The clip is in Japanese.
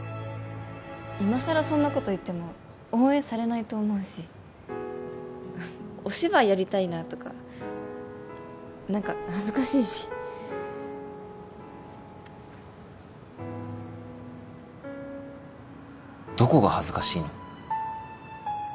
いまさらそんなこと言っても応援されないと思うしお芝居やりたいなとか何か恥ずかしいしどこが恥ずかしいの？